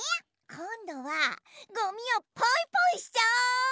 こんどはごみをポイポイしちゃおう！